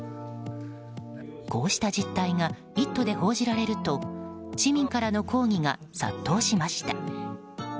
こうした実態が「イット！」で報じられると市民からの抗議が殺到しました。